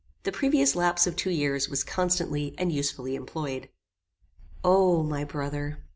The previous lapse of two years was constantly and usefully employed. O my brother!